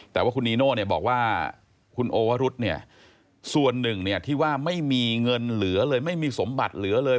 แต่ว่าคุณนีโน่เนี่ยบอกว่าคุณโอวรุธเนี่ยส่วนหนึ่งเนี่ยที่ว่าไม่มีเงินเหลือเลยไม่มีสมบัติเหลือเลย